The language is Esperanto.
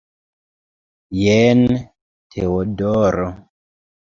Jen Teodoro!